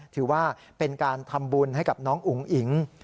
ถือว่าเป็นการทำบุญให้กับน้องอุ๋งอิ๋ง